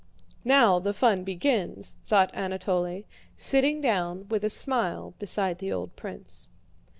"Now the fun begins," thought Anatole, sitting down with a smile beside the old prince.